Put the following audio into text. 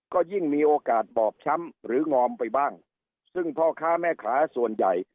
ก็ยิ่งมีโอกาสบอบช้ำหรืองอมไปบ้างซึ่งพ่อค้าแม่ค้าส่วนใหญ่